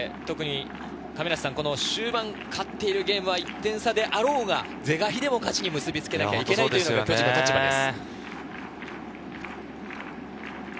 終盤勝っているゲームは１点差であろうが、是が非でも勝ちに結びつけなければいけない巨人の立場です。